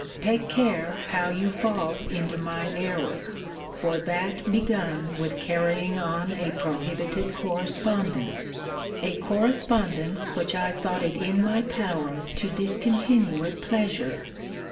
Take care how you fall into my error; for that begun with carrying on a prohibited correspondence; a correspondence which I thought it in my power to discontinue at pleasure.